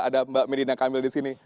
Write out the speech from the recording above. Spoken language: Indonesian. ada mbak medina kamil disini